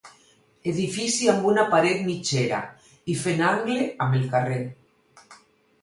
Edifici amb una paret mitgera i fent angle amb el carrer.